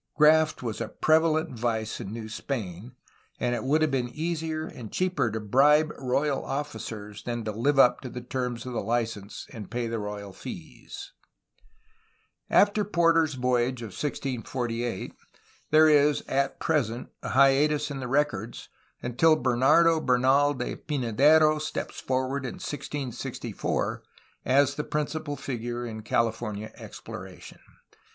Graft was a prevalent vice in New Spain, and it would have been easier and cheaper to bribe royal officers than to live up to the terms cf , the license and pay the royal fees. After Porter's voyage of 1648, there is (at present) a hiatus in the records, until Bernardo Bernal de Pynadero steps forward in 1664 as the principal figure in California exploration.